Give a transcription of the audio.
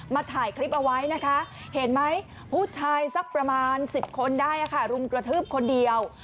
ถ่ายคลิปเอาไว้นะคะเห็นไหมผู้ชายสักประมาณ๑๐คนได้ค่ะรุมกระทืบคนเดียว